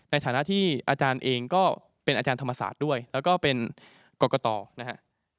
ในฐานะที่อาจารย์เองก็เป็นอาจารย์ธรรมศาสตร์ด้วยแล้วก็เป็นกรกตนะครับ